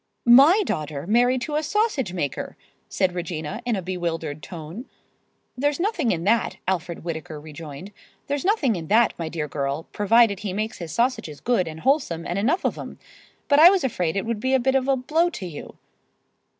"My daughter married to a sausage maker!" said Regina in a bewildered tone. "There's nothing in that," Alfred Whittaker rejoined; "there's nothing in that, my dear girl, provided he makes his sausages good and wholesome and enough of 'em. But I was afraid it would be a bit of a blow to you."